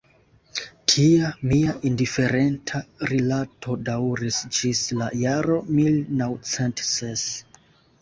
Tia mia indiferenta rilato daŭris ĝis la jaro mil naŭcent ses.